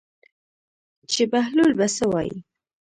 چې بهلول به څه وایي.